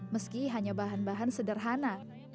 meski hanya bahan bahan sederhana